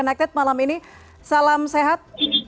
terima kasih banyak